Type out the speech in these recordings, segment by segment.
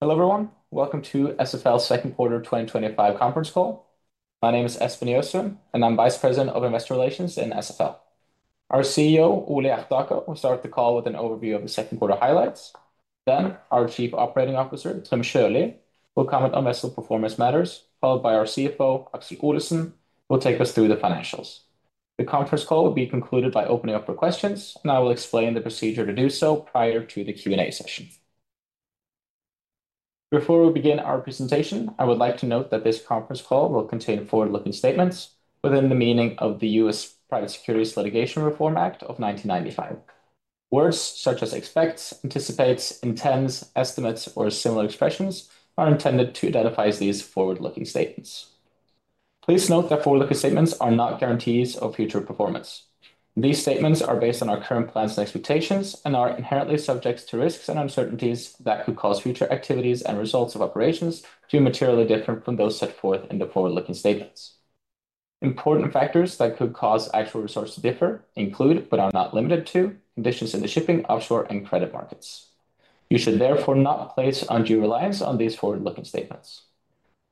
Hello everyone, welcome to SFL Second Quarter 2025 Conference Call. My name is Espen Gjøsund, and I'm Vice President of Investor Relations in SFL. Our CEO, Ole Hjertaker, will start the call with an overview of the second quarter highlights. Our Chief Operating Officer, Trym Sjølie, will comment on SFL performance matters, followed by our CFO, Aksel Olesen, who will take us through the financials. The conference call will be concluded by opening up for questions, and I will explain the procedure to do so prior to the Q&A session. Before we begin our presentation, I would like to note that this conference call will contain forward-looking statements within the meaning of the U.S. Private Securities Litigation Reform Act of 1995. Words such as expects, anticipates, intends, estimates, or similar expressions are intended to identify these forward-looking statements. Please note that forward-looking statements are not guarantees of future performance. These statements are based on our current plans and expectations and are inherently subject to risks and uncertainties that could cause future activities and results of operations to be materially different from those set forth in the forward-looking statements. Important factors that could cause actual results to differ include, but are not limited to, conditions in the shipping, offshore, and credit markets. You should therefore not place undue reliance on these forward-looking statements.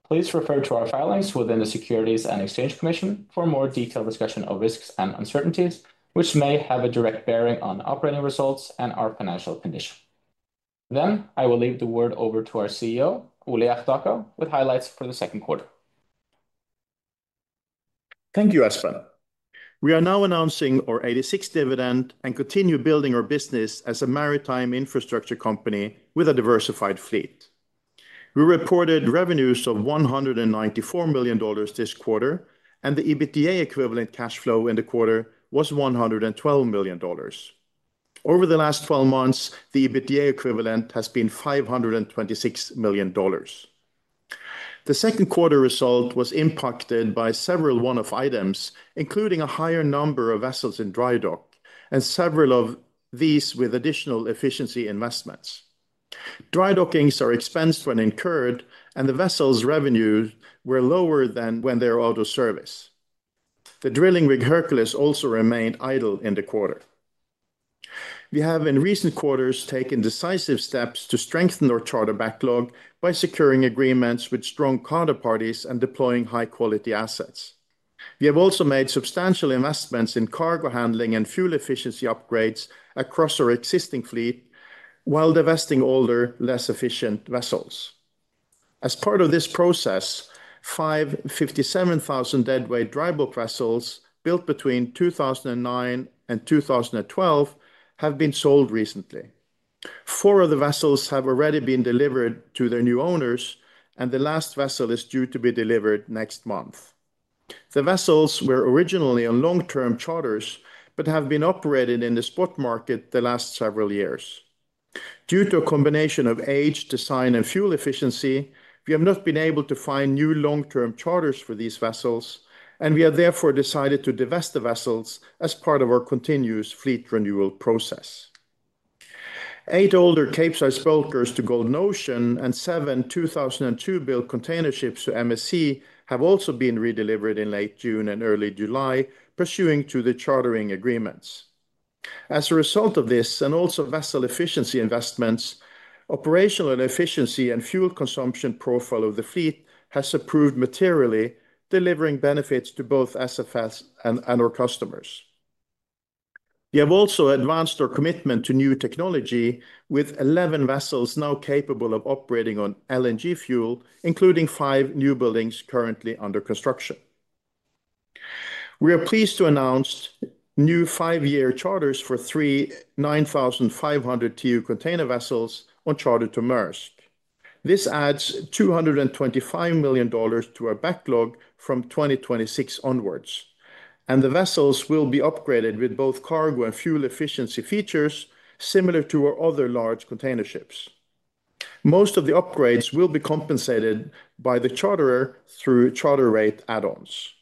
Please refer to our filings with the U.S. Securities and Exchange Commission for a more detailed discussion of risks and uncertainties, which may have a direct bearing on operating results and our financial condition. I will leave the word over to our CEO, Ole Hjertaker, with highlights for the second quarter. Thank you, Espen. We are now announcing our 86th dividend and continue building our business as a maritime infrastructure company with a diversified fleet. We reported revenues of $194 million this quarter, and the EBITDA equivalent cash flow in the quarter was $112 million. Over the last 12 months, the EBITDA equivalent has been $526 million. The second quarter result was impacted by several one-off items, including a higher number of vessels in dry dock, and several of these with additional efficiency investments. Dry dockings are expensed when incurred, and the vessels' revenues were lower than when they were out of service. The drilling rig Hercules also remained idle in the quarter. We have in recent quarters taken decisive steps to strengthen our charter backlog by securing agreements with strong charter parties and deploying high-quality assets. We have also made substantial investments in cargo handling and fuel efficiency upgrades across our existing fleet, while divesting older, less efficient vessels. As part of this process, five 57,000 deadweight dry bulk vessels built between 2009 and 2012 have been sold recently. Four of the vessels have already been delivered to their new owners, and the last vessel is due to be delivered next month. The vessels were originally on long-term charters, but have been operated in the spot market the last several years. Due to a combination of age, design, and fuel efficiency, we have not been able to find new long-term charters for these vessels, and we have therefore decided to divest the vessels as part of our continuous fleet renewal process. Eight older Capesize bulkers to Golden Ocean and seven 2002 built container ships to MSC have also been redelivered in late June and early July, pursuant to the chartering agreements. As a result of this and also vessel efficiency investments, the operational efficiency and fuel consumption profile of the fleet has improved materially, delivering benefits to both SFL and our customers. We have also advanced our commitment to new technology, with 11 vessels now capable of operating on LNG fuel, including five newbuilds currently under construction. We are pleased to announce new five-year charters for three 9,500 TEU container vessels on charter to Maersk. This adds $225 million to our backlog from 2026 onwards, and the vessels will be upgraded with both cargo and fuel efficiency features, similar to our other large container ships. Most of the upgrades will be compensated by the charterer through charter rate add-ons.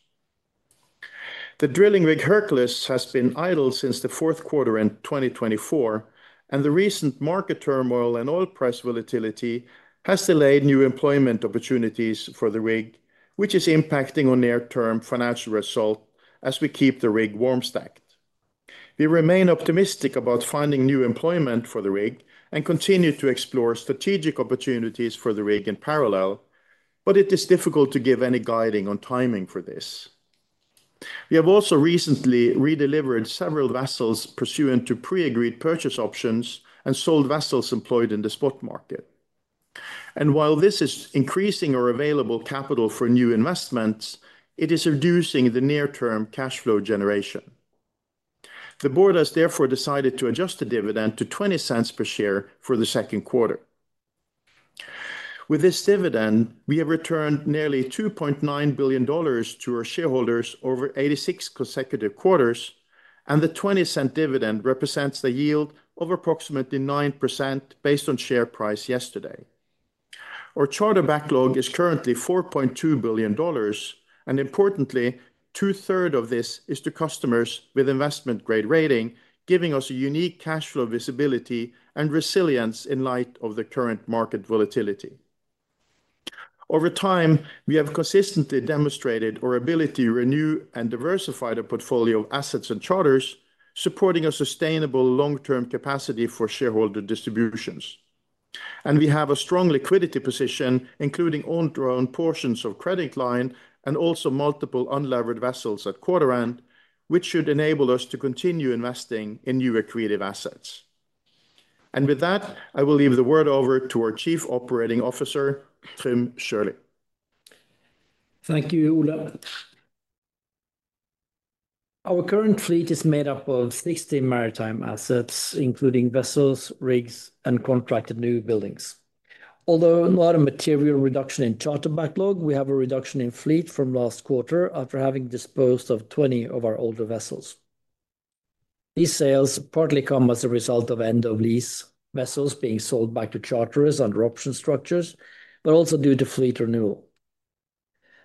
The drilling rig Hercules has been idle since the fourth quarter in 2024, and the recent market turmoil and oil price volatility have delayed new employment opportunities for the rig, which is impacting our near-term financial result as we keep the rig warm stacked. We remain optimistic about finding new employment for the rig and continue to explore strategic opportunities for the rig in parallel, but it is difficult to give any guidance on timing for this. We have also recently redelivered several vessels pursuant to pre-agreed purchase options and sold vessels employed in the spot market. While this is increasing our available capital for new investments, it is reducing the near-term cash flow generation. The Board has therefore decided to adjust the dividend to $0.20 per share for the second quarter. With this dividend, we have returned nearly $2.9 billion to our shareholders over 86 consecutive quarters, and the $0.20 dividend represents a yield of approximately 9% based on share price yesterday. Our charter backlog is currently $4.2 billion, and importantly, 2/3 of this is to customers with investment-grade rating, giving us a unique cash flow visibility and resilience in light of the current market volatility. Over time, we have consistently demonstrated our ability to renew and diversify the portfolio of assets and charters, supporting a sustainable long-term capacity for shareholder distributions. We have a strong liquidity position, including owned-to-own portions of the credit line and also multiple unlevered vessels at quarter-end, which should enable us to continue investing in new accretive assets. With that, I will leave the word over to our Chief Operating Officer, Trym Sjølie. Thank you, Ole. Our current fleet is made up of 16 maritime assets, including vessels, rigs, and contracted newbuilds. Although not a material reduction in charter backlog, we have a reduction in fleet from last quarter after having disposed of 20 of our older vessels. These sales partly come as a result of end-of-lease vessels being sold back to charterers under option structures, but also due to fleet renewal.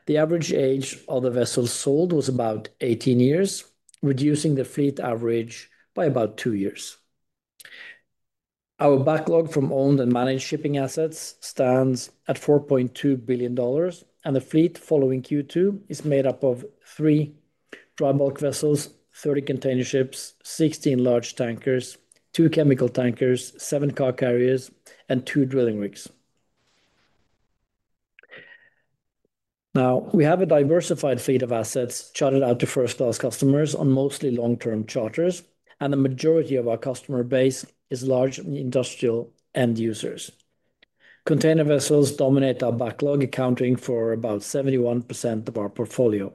The average age of the vessels sold was about 18 years, reducing the fleet average by about two years. Our backlog from owned and managed shipping assets stands at $4.2 billion, and the fleet following Q2 is made up of three dry bulk vessels, 30 container ships, 16 large tankers, two chemical tankers, seven car carriers, and two drilling rigs. Now, we have a diversified fleet of assets chartered out to First Class customers on mostly long-term charters, and the majority of our customer base is large industrial end users. Container vessels dominate our backlog, accounting for about 71% of our portfolio.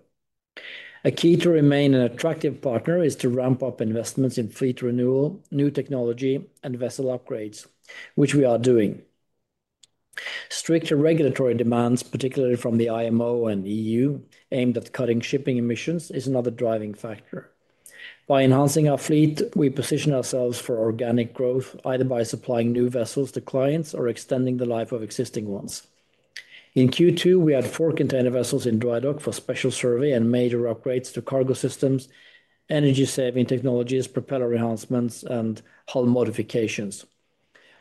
A key to remain an attractive partner is to ramp up investments in fleet renewal, new technology, and vessel upgrades, which we are doing. Stricter regulatory demands, particularly from the IMO and EU, aimed at cutting shipping emissions, are another driving factor. By enhancing our fleet, we position ourselves for organic growth, either by supplying new vessels to clients or extending the life of existing ones. In Q2, we had four container vessels in dry dock for special survey and major upgrades to cargo systems, energy-saving technologies, propeller enhancements, and hull modifications.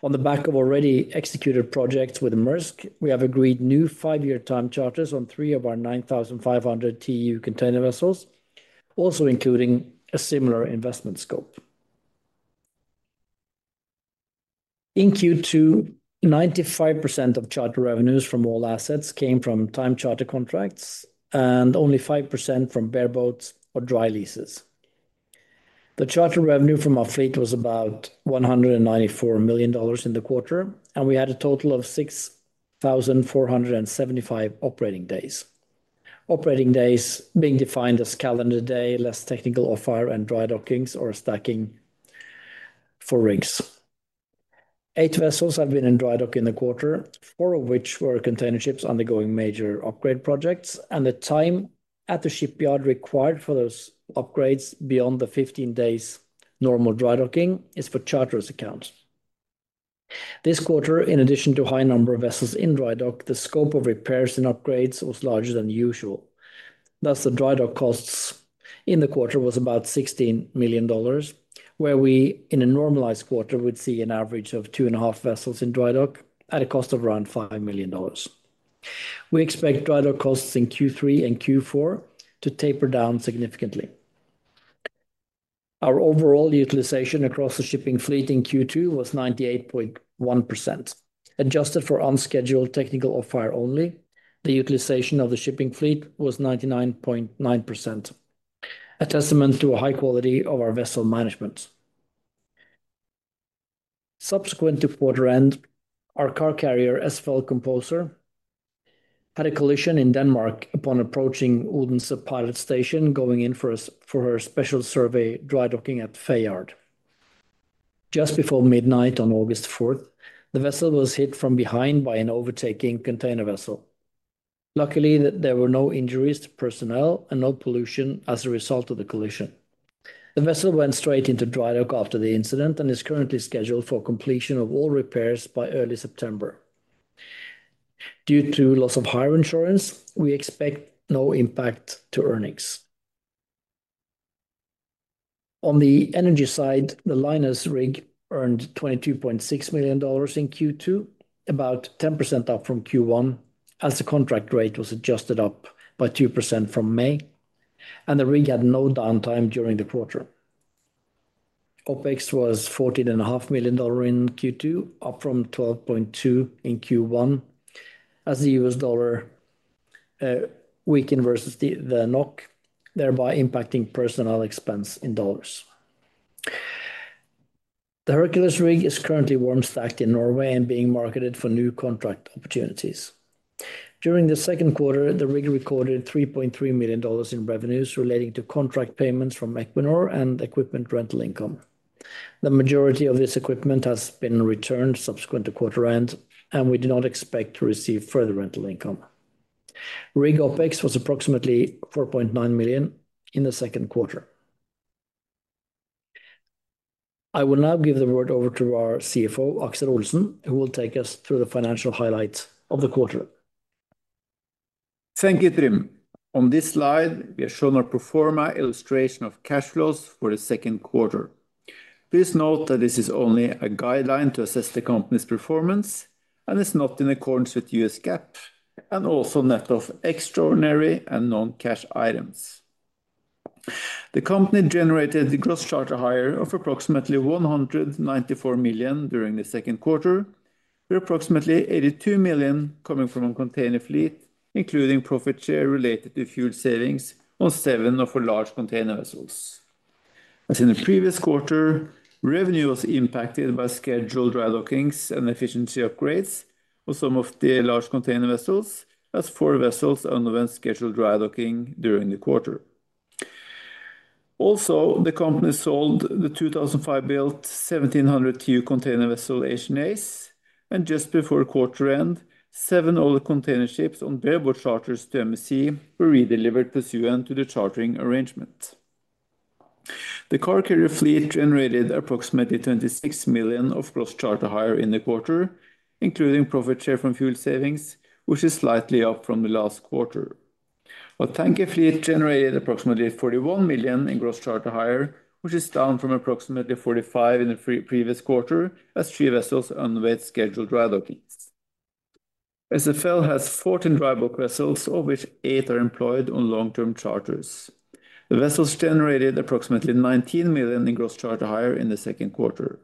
On the back of already executed projects with Maersk, we have agreed new five-year time charters on three of our 9,500 TEU container vessels, also including a similar investment scope. In Q2, 95% of charter revenues from all assets came from time charter contracts and only 5% from bareboats or dry leases. The charter revenue from our fleet was about $194 million in the quarter, and we had a total of 6,475 operating days. Operating days being defined as calendar day, less technical off-hire, and dry dockings or stacking for rigs. Eight vessels have been in dry dock in the quarter, four of which were container ships undergoing major upgrade projects, and the time at the shipyard required for those upgrades beyond the 15 days normal dry docking is for charterer's account. This quarter, in addition to a high number of vessels in dry dock, the scope of repairs and upgrades was larger than usual. Thus, the dry dock costs in the quarter were about $16 million, where we in a normalized quarter would see an average of two and a half vessels in dry dock at a cost of around $5 million. We expect dry dock costs in Q3 and Q4 to taper down significantly. Our overall utilization across the shipping fleet in Q2 was 98.1%. Adjusted for unscheduled technical off-hire only, the utilization of the shipping fleet was 99.9%, a testament to a high quality of our vessel management. Subsequent to quarter end, our car carrier SFL Composer had a collision in Denmark upon approaching Udensa Pilot Station, going in for her special survey dry docking at Feyard. a=Just before midnight on August 4th, the vessel was hit from behind by an overtaking container vessel. Luckily, there were no injuries to personnel and no pollution as a result of the collision. The vessel went straight into dry dock after the incident and is currently scheduled for completion of all repairs by early September. Due to loss of hire insurance, we expect no impact to earnings. On the energy side, the Linus rig earned $22.6 million in Q2, about 10% up from Q1, as the contract rate was adjusted up by 2% from May, and the rig had no downtime during the quarter. OpEx was $14.5 million in Q2, up from $12.2 million in Q1, as the U.S., dollar weakened versus the NOK, thereby impacting personnel expense in dollars. The Hercules rig is currently warm stacked in Norway and being marketed for new contract opportunities. During the second quarter, the rig recorded $3.3 million in revenues relating to contract payments from Equinor and equipment rental income. The majority of this equipment has been returned subsequent to quarter end, and we do not expect to receive further rental income. Rig OpEx was approximately $4.9 million in the second quarter. I will now give the word over to our CFO, Aksel Olesen, who will take us through the financial highlights of the quarter. Thank you, Trym. On this slide, we have shown our pro forma illustration of cash flows for the second quarter. Please note that this is only a guideline to assess the company's performance, and it's not in accordance with U.S. GAAP and also net of extraordinary and non-cash items. The company generated a gross charter hire of approximately $194 million during the second quarter, with approximately $82 million coming from a container fleet, including profit share related to fuel savings on seven of our large container vessels. As in the previous quarter, revenue was impacted by scheduled dry dockings and efficiency upgrades on some of the large container vessels, as four vessels underwent scheduled dry docking during the quarter. Also, the company sold the 2005 built 1,700 TEU container vessel HNAs and just before quarter end, seven older container ships on bareboat charters to MSC were redelivered pursuant to the chartering arrangement. The car carrier fleet generated approximately $26 million of gross charter hire in the quarter, including profit share from fuel savings, which is slightly up from the last quarter. Our tanker fleet generated approximately $41 million in gross charter hire, which is down from approximately $45 million in the previous quarter, as three vessels underwent scheduled dry dockings. SFL has 14 dry bulk vessels, of which eight are employed on long-term charters. The vessels generated approximately $19 million in gross charter hire in the second quarter.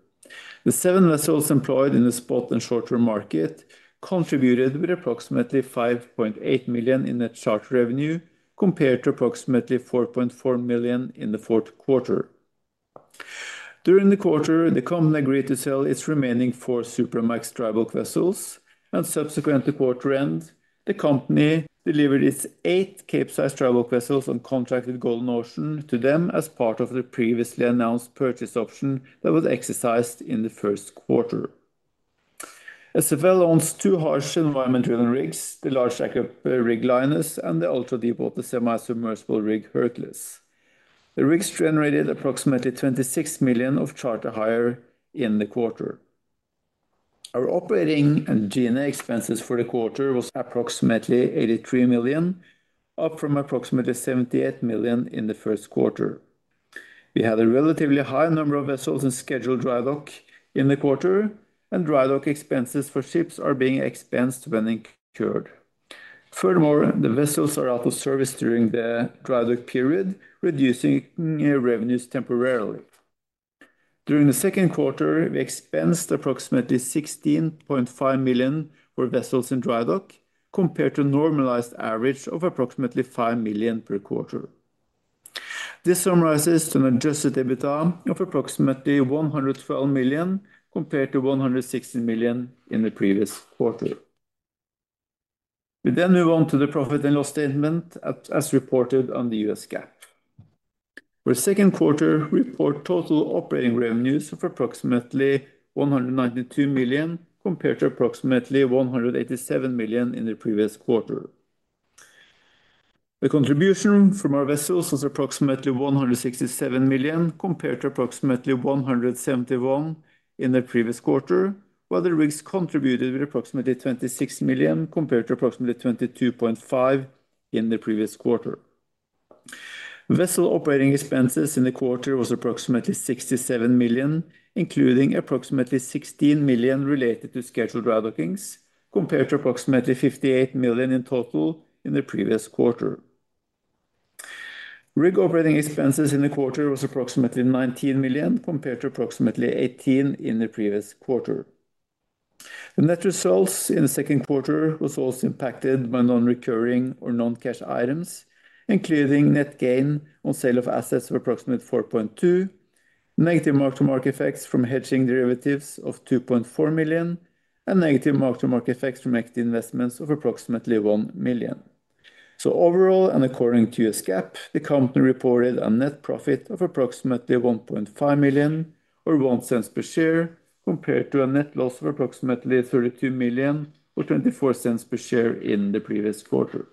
The seven vessels employed in the spot and short-term market contributed with approximately $5.8 million in net charter revenue, compared to approximately $4.4 million in the fourth quarter. During the quarter, the company agreed to sell its remaining four Supramax dry bulk vessels, and subsequent to quarter end, the company delivered its eight Capesize dry bulk vessels on contract with Golden Ocean to them as part of the previously announced purchase option that was exercised in the first quarter. SFL owns two harsh environment drilling rigs, the large harsh environment rig Linus and the ultra-deepwater semi-submersible rig Hercules. The rigs generated approximately $26 million of charter hire in the quarter. Our operating and G&A expenses for the quarter were approximately $83 million, up from approximately $78 million in the first quarter. We had a relatively high number of vessels in scheduled dry dock in the quarter, and dry dock expenses for ships are being expensed when incurred. Furthermore, the vessels are out of service during the dry dock period, reducing revenues temporarily. During the second quarter, we expensed approximately $16.5 million for vessels in dry dock, compared to a normalized average of approximately $5 million per quarter. This summarizes an adjusted EBITDA of approximately $112 million, compared to $116 million in the previous quarter. We then move on to the profit and loss statement, as reported on the U.S. GAAP. For the second quarter, we report total operating revenues of approximately $192 million, compared to approximately $187 million in the previous quarter. The contribution from our vessels was approximately $167 million, compared to approximately $171 million in the previous quarter, while the rigs contributed with approximately $26 million, compared to approximately $22.5 million in the previous quarter. Vessel operating expenses in the quarter were approximately $67 million, including approximately $16 million related to scheduled dry dockings, compared to approximately $58 million in total in the previous quarter. Rig operating expenses in the quarter were approximately $19 million, compared to approximately $18 million in the previous quarter. The net results in the second quarter were also impacted by non-recurring or non-cash items, including net gain on sale of assets of approximately $4.2 million, negative mark-to-market effects from hedging derivatives of $2.4 million, and negative mark-to-market effects from equity investments of approximately $1 million. Overall, and according to U.S. GAAP, the company reported a net profit of approximately $1.5 million or $0.01 per share, compared to a net loss of approximately $32 million or $0.24 per share in the previous quarter.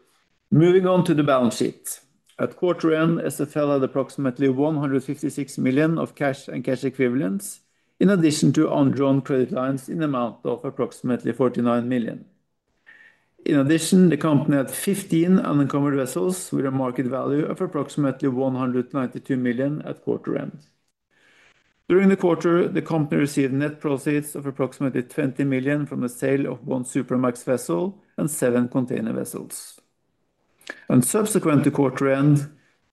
Moving on to the balance sheet. At quarter end, SFL had approximately $156 million of cash and cash equivalents, in addition to underwritten credit lines in the amount of approximately $49 million. In addition, the company had 15 unencumbered vessels with a market value of approximately $192 million at quarter end. During the quarter, the company received net profits of approximately $20 million from the sale of one Supramax vessel and seven container vessels. Subsequent to quarter end,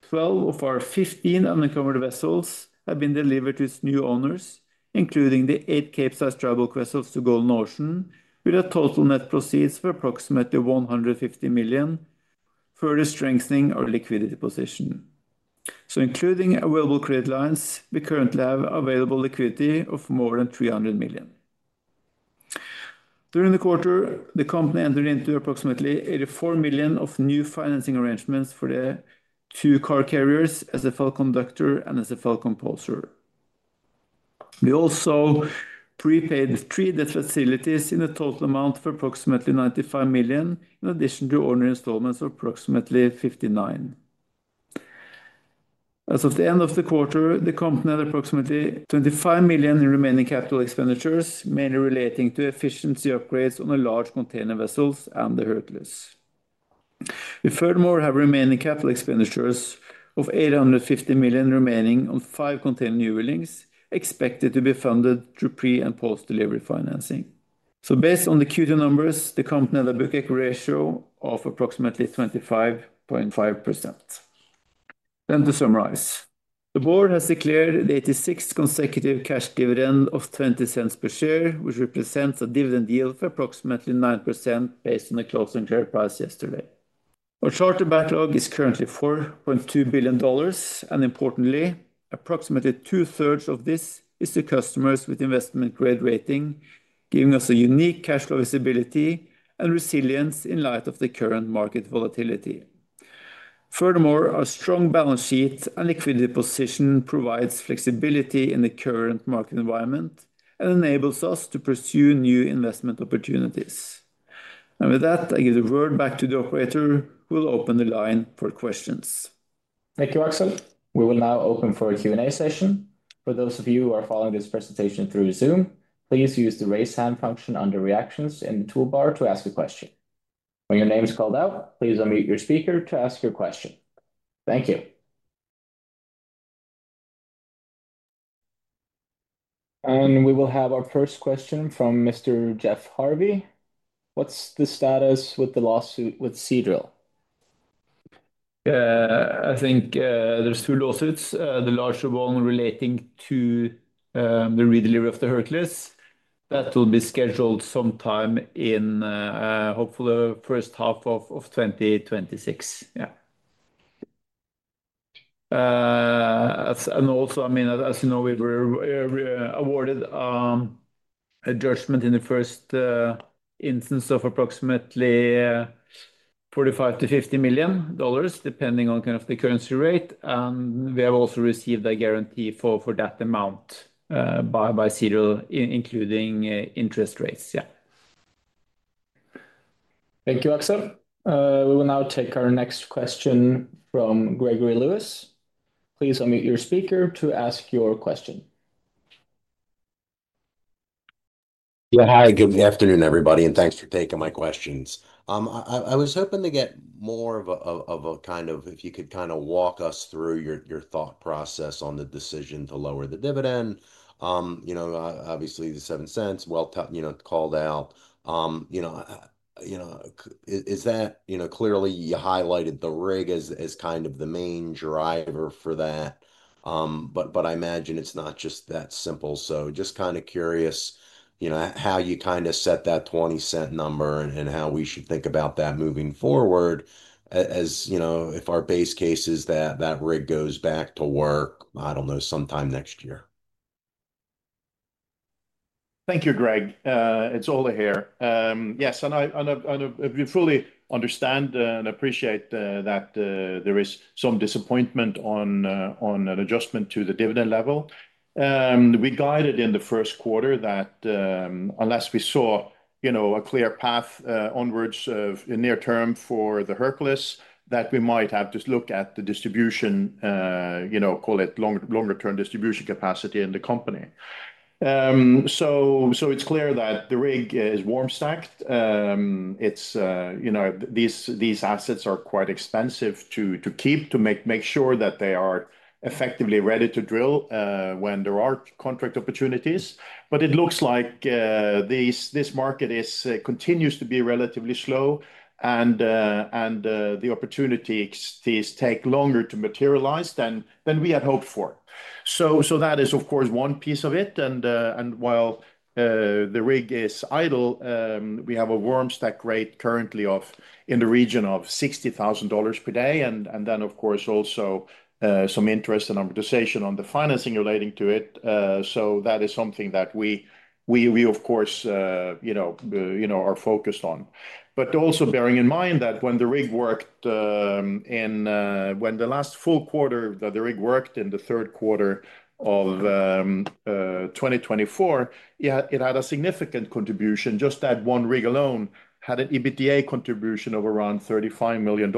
12 of our 15 unencumbered vessels have been delivered to their new owners, including the eight CapeSize dry bulk vessels to Golden Ocean, with total net proceeds of approximately $150 million, further strengthening our liquidity position. Including available credit lines, we currently have available liquidity of more than $300 million. During the quarter, the company entered into approximately $84 million of new financing arrangements for the two car carriers, SFL Conductor and SFL Composer. We also prepaid three debt facilities in a total amount of approximately $95 million, in addition to owner installments of approximately $59 million. As of the end of the quarter, the company had approximately $25 million in remaining capital expenditures, mainly relating to efficiency upgrades on the large container vessels and the Hercules. We furthermore have remaining capital expenditures of $850 million on five container newbuilds expected to be funded through pre- and post-delivery financing. Based on the Q2 numbers, the company had a book equity ratio of approximately 25.5%. To summarize, the board has declared the 86th consecutive cash dividend of $0.20 per share, which represents a dividend yield of approximately 9% based on the closing share price yesterday. Our charter backlog is currently $4.2 billion, and importantly, approximately two-thirds of this is to customers with investment-grade rating, giving us a unique cash flow visibility and resilience in light of the current market volatility. Furthermore, our strong balance sheet and liquidity position provide flexibility in the current market environment and enable us to pursue new investment opportunities. With that, I give the word back to the operator, who will open the line for questions. Thank you, Aksel. We will now open for a Q&A session. For those of you who are following this presentation through Zoom, please use the raise hand function under reactions in the toolbar to ask a question. When your name is called out, please unmute your speaker to ask your question. Thank you. We will have our first question from Mr. Jeff Harvey. What's the status with the lawsuit with Seadrill? I think there's two lawsuits. The larger one relating to the redelivery of the Hercules will be scheduled sometime in hopefully the first half of 2026. As you know, we were awarded a judgment in the first instance of approximately $45 million-$50 million, depending on the currency rate. We have also received a guarantee for that amount by Seadrill, including interest rates. Thank you, Aksel. We will now take our next question from Gregory Lewis. Please unmute your speaker to ask your question. Yeah, hi. Good afternoon, everybody, and thanks for taking my questions. I was hoping to get more of a kind of, if you could kind of walk us through your thought process on the decision to lower the dividend. Obviously, the $0.07 well called out. Is that, you know, clearly you highlighted the rig as kind of the main driver for that. I imagine it's not just that simple. Just kind of curious, you know, how you kind of set that $0.20 number and how we should think about that moving forward, as you know, if our base case is that that rig goes back to work, I don't know, sometime next year. Thank you, Greg. It's Ole here. Yes, and I fully understand and appreciate that there is some disappointment on an adjustment to the dividend level. We guided in the first quarter that unless we saw a clear path onwards in the near term for the Hercules, that we might have just looked at the distribution, call it longer-term distribution capacity in the company. It is clear that the rig is warm stacked. These assets are quite expensive to keep to make sure that they are effectively ready to drill when there are contract opportunities. It looks like this market continues to be relatively slow and the opportunities take longer to materialize than we had hoped for. That is, of course, one piece of it. While the rig is idle, we have a warm stack rate currently in the region of $60,000 per day. There is also some interest and amortization on the financing relating to it. That is something that we are focused on. Also bearing in mind that when the rig worked in, when the last full quarter that the rig worked in the third quarter of 2024, it had a significant contribution. Just that one rig alone had an EBITDA contribution of around $35 million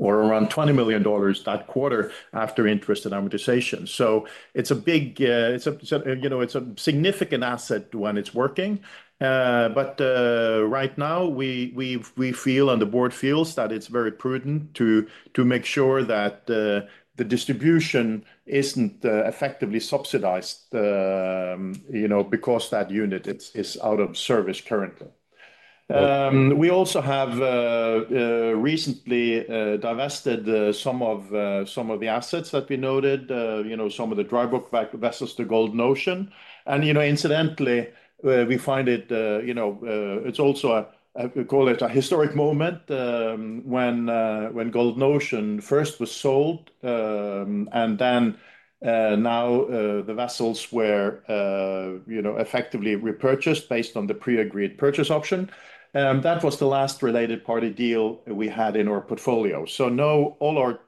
or around $20 million that quarter after interest and amortization. It is a significant asset when it's working. Right now, we feel and the board feels that it is very prudent to make sure that the distribution isn't effectively subsidized because that unit is out of service currently. We also have recently divested some of the assets that we noted, some of the dry bulk vessels to Golden Ocean. Incidentally, we find it is also a historic moment when Golden Ocean first was sold and then now the vessels were effectively repurchased based on the pre-agreed purchase option. That was the last related party deal we had in our portfolio. Now all our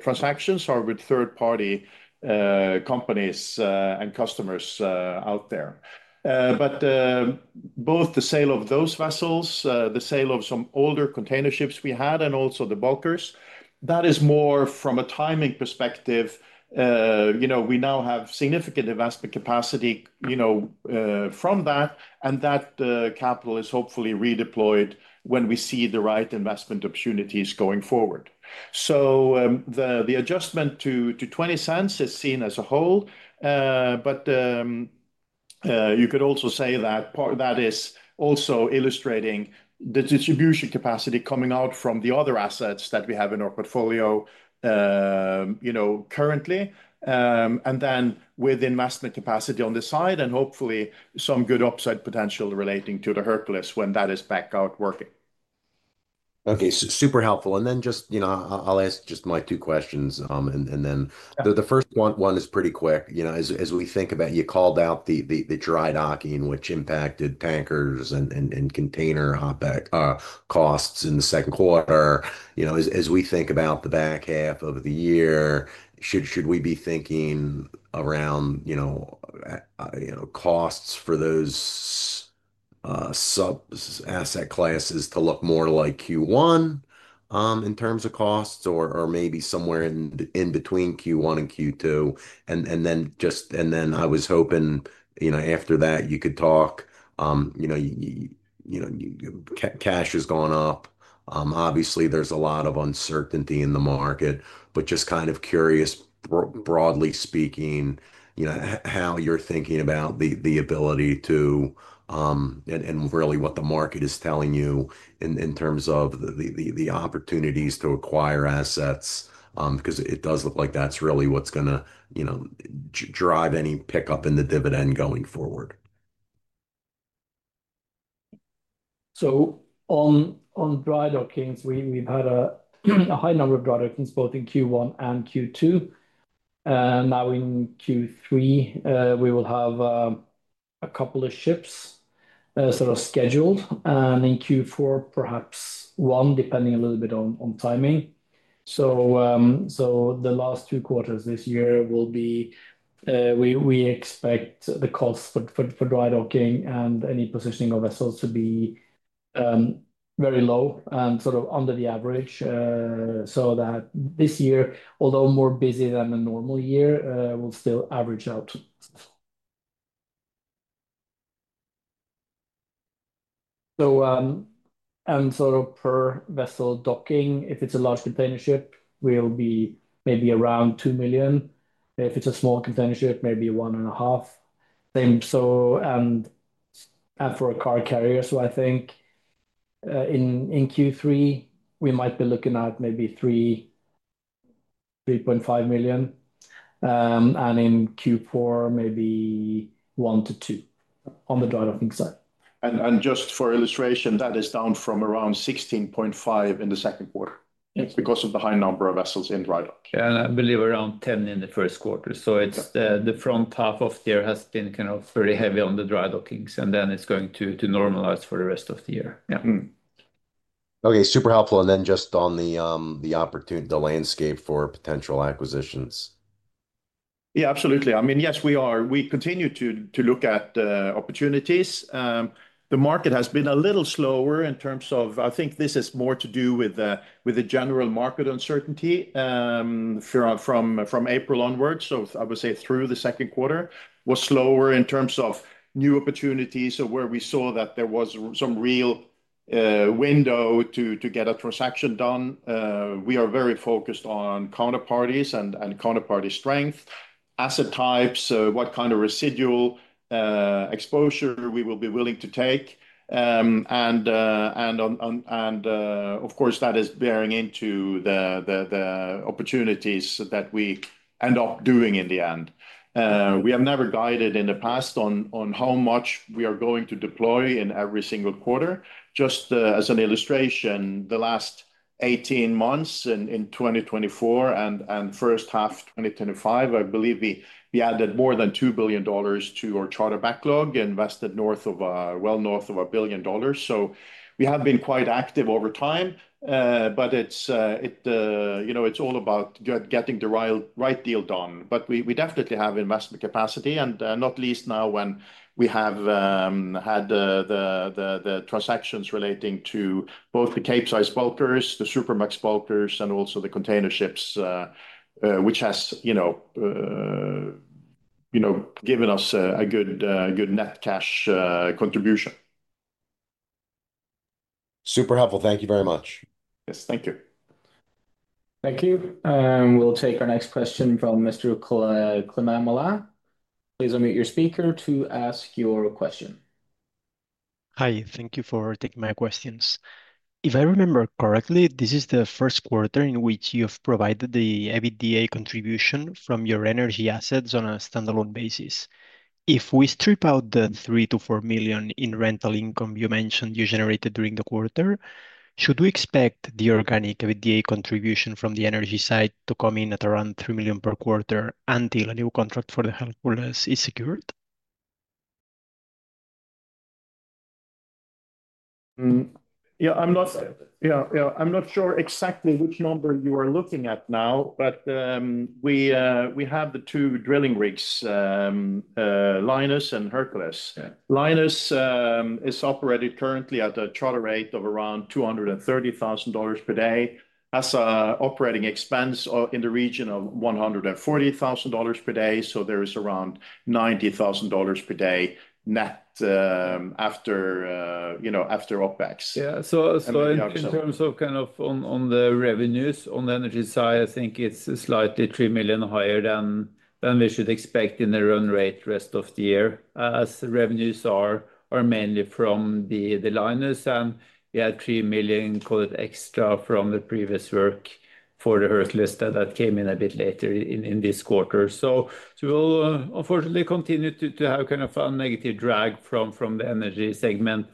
transactions are with third-party companies and customers out there. Both the sale of those vessels, the sale of some older container ships we had, and also the bulkers, that is more from a timing perspective. We now have significant investment capacity from that. That capital is hopefully redeployed when we see the right investment opportunities going forward. The adjustment to $0.20 is seen as a whole, but you could also say that is also illustrating the distribution capacity coming out from the other assets that we have in our portfolio currently, and then with investment capacity on the side and hopefully some good upside potential relating to the Hercules when that is back out working. Okay, super helpful. I'll ask just my two questions. The first one is pretty quick. As we think about, you called out the dry docking, which impacted tankers and container costs in the second quarter. As we think about the back half of the year, should we be thinking around costs for those sub-asset classes to look more like Q1 in terms of costs or maybe somewhere in between Q1 and Q2? I was hoping after that you could talk, cash has gone up. Obviously, there's a lot of uncertainty in the market, but just kind of curious, broadly speaking, how you're thinking about the ability to, and really what the market is telling you in terms of the opportunities to acquire assets, because it does look like that's really what's going to drive any pickup in the dividend going forward. On dry dockings, we've had a high number of dry dockings both in Q1 and Q2. Now in Q3, we will have a couple of ships scheduled. In Q4, perhaps one, depending a little bit on timing. The last two quarters this year, we expect the costs for dry docking and any positioning of vessels to be very low and under the average so that this year, although more busy than a normal year, will still average out. Per vessel docking, if it's a large container ship, we'll be maybe around $2 million. If it's a small container ship, maybe $1.5 million. For a car carrier, in Q3, we might be looking at maybe $3.5 million. In Q4, maybe $1 million-$2 million on the dry docking side. Just for illustration, that is down from around $16.5 million in the second quarter. It's because of the high number of vessels in dry docking. I believe around $10 million in the first quarter. The front half of the year has been very heavy on the dry dockings, and then it's going to normalize for the rest of the year. Okay, super helpful. Just on the opportunity, the landscape for potential acquisitions. Yeah, absolutely. I mean, yes, we are. We continue to look at opportunities. The market has been a little slower in terms of, I think this is more to do with the general market uncertainty from April onwards. I would say through the second quarter was slower in terms of new opportunities where we saw that there was some real window to get a transaction done. We are very focused on counterparties and counterparty strength, asset types, what kind of residual exposure we will be willing to take. Of course, that is bearing into the opportunities that we end up doing in the end. We have never guided in the past on how much we are going to deploy in every single quarter. Just as an illustration, the last 18 months in 2024 and first half of 2025, I believe we added more than $2 billion to our charter backlog and invested north of, well, north of $1 billion. We have been quite active over time, it's all about getting the right deal done. We definitely have investment capacity, not least now when we have had the transactions relating to both the Capesize bulkers, the Supramax bulkers, and also the container ships, which has given us a good net cash contribution. Super helpful. Thank you very much. Yes, thank you. Thank you. We'll take our next question from Mr. Klemen Mola. Please unmute your speaker to ask your question. Hi, thank you for taking my questions. If I remember correctly, this is the first quarter in which you have provided the EBITDA contribution from your energy assets on a standalone basis. If we strip out the $3 million-$4 million in rental income you mentioned you generated during the quarter, should we expect the organic EBITDA contribution from the energy side to come in at around $3 million per quarter until a new contract for the Hercules is secured? Yeah, I'm not sure exactly which number you are looking at now, but we have the two drilling rigs, Linus and Hercules. Linus is operated currently at a charter rate of around $230,000 per day. That's an operating expense in the region of $140,000 per day, so there is around $90,000 per day net after OpEx. Yeah. In terms of kind of on the revenues on the energy side, I think it's slightly $3 million higher than we should expect in the run rate the rest of the year, as the revenues are mainly from the Linus. We had $3 million extra from the previous work for the Hercules that came in a bit later in this quarter. We'll unfortunately continue to have kind of a negative drag from the energy segment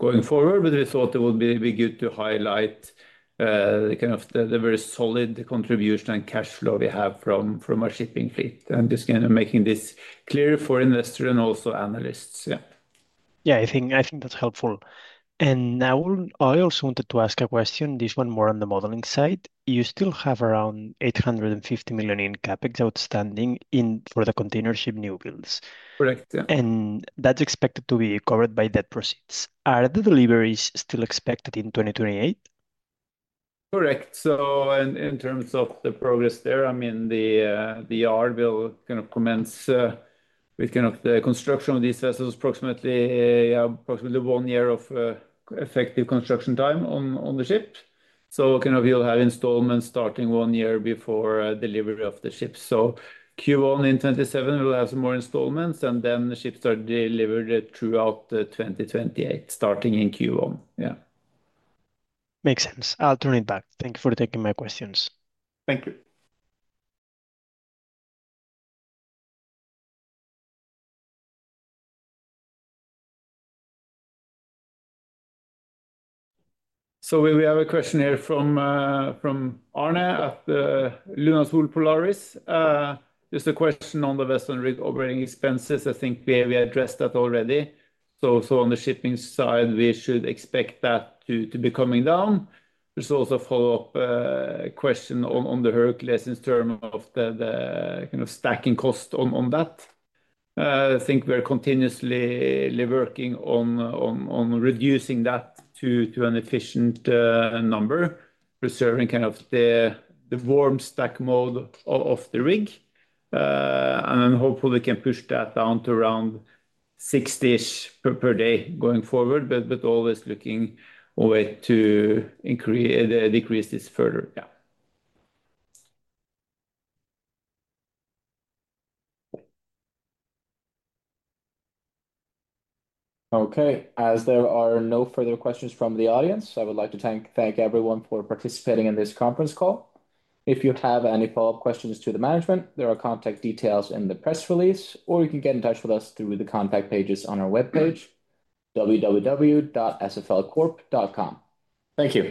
going forward, but we thought it would be good to highlight kind of the very solid contribution and cash flow we have from our shipping fleet and just kind of making this clear for investors and also analysts. I think that's helpful. I also wanted to ask a question, this one more on the modeling side. You still have around $850 million in CapEx outstanding for the container ship newbuilds. Correct. That is expected to be covered by debt proceeds. Are the deliveries still expected in 2028? Correct. In terms of the progress there, the yard will commence with the construction of these vessels, approximately one year of effective construction time on the ship. You'll have installments starting one year before delivery of the ship. Q1 in 2027 we'll have some more installments, and then the ships are delivered throughout 2028, starting in Q1. Yeah. Makes sense. I'll turn it back. Thank you for taking my questions. Thank you. We have a question here from Arne at Lunasul Polaris. Just a question on the vessel and rig operating expenses. I think we addressed that already. On the shipping side, we should expect that to be coming down. There's also a follow-up question on the Hercules in terms of the kind of stacking cost on that. I think we're continuously working on reducing that to an efficient number, preserving kind of the warm stack mode of the rig. Hopefully, we can push that down to around $60,000 per day going forward, but always looking for a way to decrease this further. Yeah. Okay, as there are no further questions from the audience, I would like to thank everyone for participating in this conference call. If you have any follow-up questions to the management, there are contact details in the press release, or you can get in touch with us through the contact pages on our webpage, www.sflcorp.com. Thank you.